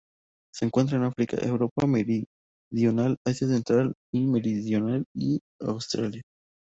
Se encuentran en África, Europa meridional, Asia central y meridional y Australia.